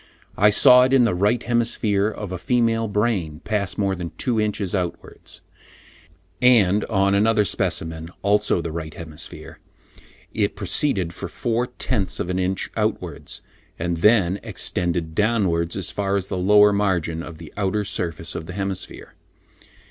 I saw it in the right hemisphere of a female brain pass more than two inches outwards; and on another specimen, also the right hemisphere, it proceeded for four tenths of an inch outwards, and then extended downwards, as far as the lower margin of the outer surface of the hemisphere.